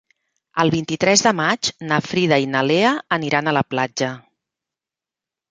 El vint-i-tres de maig na Frida i na Lea aniran a la platja.